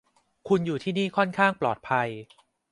คุณอยู่ที่นี่ค่อนข้างปลอดภัย